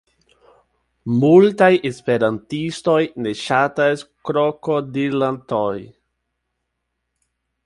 Multaj esperantistoj ne ŝatas krokodilantojn.